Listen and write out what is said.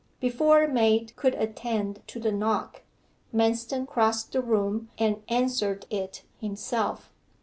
Before a maid could attend to the knock, Manston crossed the room and answered it himself.